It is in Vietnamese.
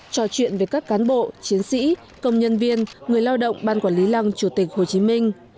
trò chuyện về các cán bộ chiến sĩ công nhân viên người lao động ban quản lý lăng chủ tịch hồ chí minh